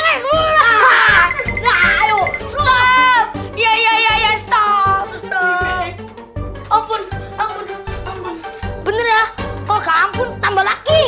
bener ya kalau kak ampun tambah lagi